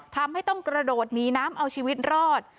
ทำให้ต้องกระโดดหนีน้ำเอาชีวิตรอด